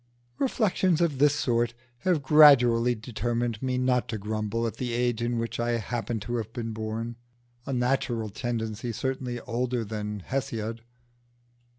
Reflections of this sort have gradually determined me not to grumble at the age in which I happen to have been born a natural tendency certainly older than Hesiod.